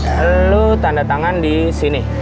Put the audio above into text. eh lu tanda tangan di sini